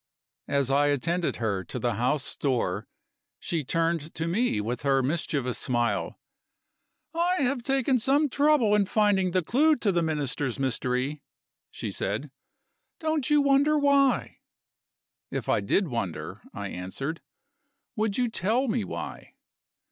As I attended her to the house door, she turned to me with her mischievous smile. "I have taken some trouble in finding the clew to the Minister's mystery," she said. "Don't you wonder why?" "If I did wonder," I answered, "would you tell me why?"